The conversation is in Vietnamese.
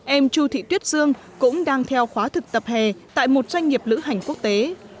em chu thị tuyết dương cũng đang theo khóa thực tập hè tại một doanh nghiệp lữ hành quốc tế